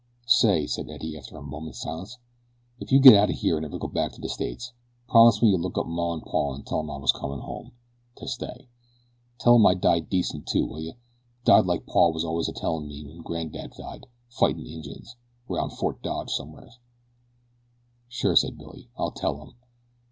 "Say," said Eddie after a moment's silence, "if you get out o' here an' ever go back to the States promise me you'll look up maw and paw an' tell 'em I was comin' home to stay. Tell 'em I died decent, too, will you died like paw was always a tellin' me my granddad died, fightin' Injuns 'round Fort Dodge somewheres." "Sure," said Billy; "I'll tell 'em.